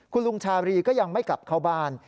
คุณลุงชาบรีก็ยังไม่กลับเข้าบ้าน